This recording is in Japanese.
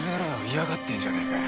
嫌がってんじゃねえかよ。